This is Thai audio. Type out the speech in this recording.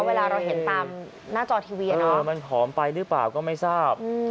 เวลาเราเห็นตามหน้าจอทีวีมันผอมไปหรือเปล่าก็ไม่ทราบ